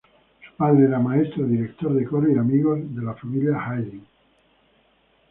Su padre era maestro, director de coro y amigo de la familia Haydn.